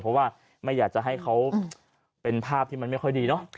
เพราะว่าไม่อยากจะให้เขาเป็นภาพที่มันไม่ค่อยดีเนาะ